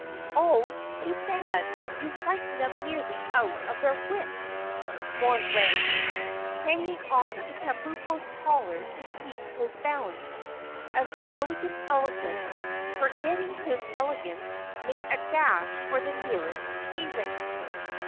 "Oh, too bad, you've frightened them nearly out of their wits," mourned Randy, hanging on to Kabumpo's collar to keep his balance as the Elegant Elephant, forgetting his elegance, made a dash for the nearest hayrick.